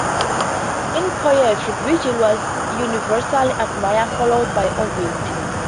In poetry, Virgil was universally admired, followed by Ovid.